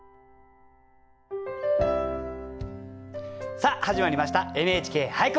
さあ始まりました「ＮＨＫ俳句」。